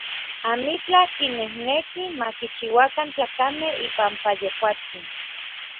Amitlaj kinejneki ma kichiuakan tlakamej ipampa yejuatsin.